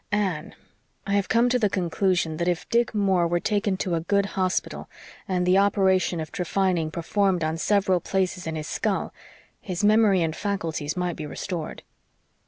Anne, I have come to the conclusion that if Dick Moore were taken to a good hospital and the operation of trephining performed on several places in his skull, his memory and faculties might be restored."